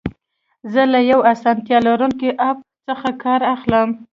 زه له یو اسانتیا لرونکي اپ څخه کار اخلم.